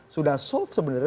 sudah selesai sebenarnya